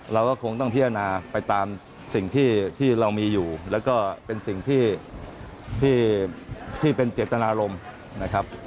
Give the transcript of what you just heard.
เราก็คงต้องพิจารณาไปตามสิ่งที่เรามีอยู่แล้วก็เป็นสิ่งที่ที่เป็นเจตนารมณ์นะครับ